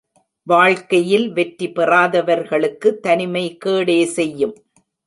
வாழ்க்கையில் வெற்றி பெறாதவர்களுக்கு தனிமை கேடே செய்யும்.